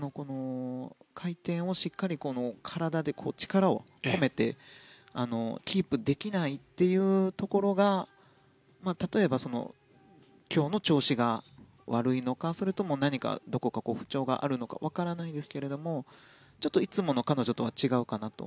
回転をしっかり体で力を込めてキープできないというところが例えば、今日の調子が悪いのかそれとも何かどこか不調があるのかわからないですがちょっといつもの彼女とは違うかなと。